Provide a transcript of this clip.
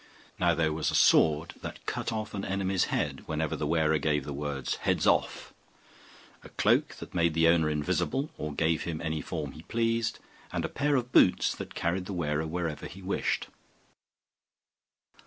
Now there was a sword that cut off an enemy's head whenever the wearer gave the words, 'Heads off!'; a cloak that made the owner invisible, or gave him any form he pleased; and a pair of boots that carried the wearer wherever he wished.